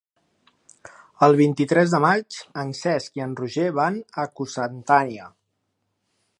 El vint-i-tres de maig en Cesc i en Roger van a Cocentaina.